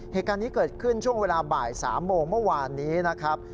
เหตุการณ์นี้เกิดขึ้นช่วงเวลาบ่าย๓โมงเมื่อวานนี้นะครับ